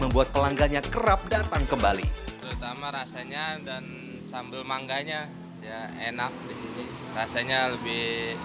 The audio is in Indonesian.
buat pelangganya kerap datang kembali terutama rasanya dan sambal mangganya enak rasanya lebih